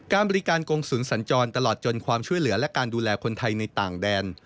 การบริการกงศูนย์สัญจรตลอดจนความช่วยเหลือและการดูแลคนไทยในต่างแดน